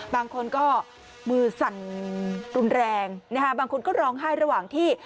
บางคนก็มือสั่นรุนแรงนะคะบางคนก็ร้องไห้ระหว่างที่